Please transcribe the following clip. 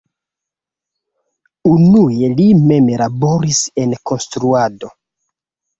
Unue li mem laboris en konstruado.